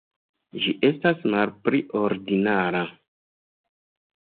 Ĝi estas malpli ordinara.